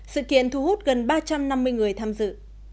sự kiện thu hút gần ba trăm năm mươi người tham dự